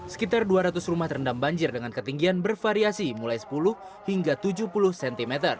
sekitar dua ratus rumah terendam banjir dengan ketinggian bervariasi mulai sepuluh hingga tujuh puluh cm